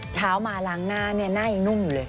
เช้ามาล้างหน้าเนี่ยหน้ายังนุ่มอยู่เลย